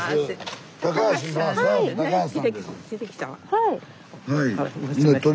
はい。